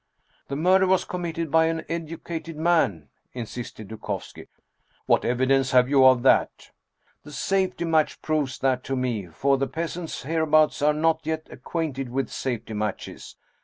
" The murder was committed by an educated man !" in sisted Dukovski. " What evidence have you of that ?"" The safety match proves that to me, for the peasants hereabouts are not yet acquainted with safety matches.